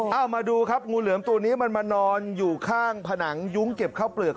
เอามาดูครับงูเหลือมตัวนี้มันมานอนอยู่ข้างผนังยุ้งเก็บข้าวเปลือก